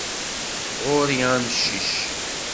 Ɣur-i amcic.